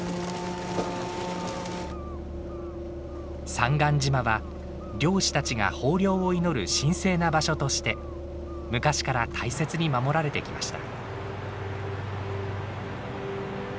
三貫島は漁師たちが豊漁を祈る神聖な場所として昔から大切に守られてきました。